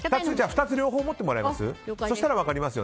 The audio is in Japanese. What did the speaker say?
２つ両方持ってもらえます？